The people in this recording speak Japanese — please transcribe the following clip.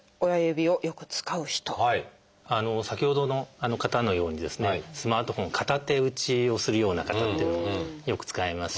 まず先ほどの方のようにですねスマートフォン片手打ちをするような方っていうのもよく使いますし。